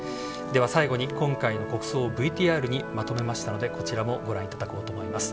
最後に今回の国葬をＶＴＲにまとめましたのでこちらもご覧いただこうと思います。